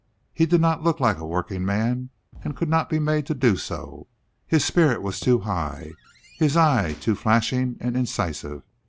He did not look like a workingman and could not be made to do so. His spirit was too high, his eye too flashing and incisive.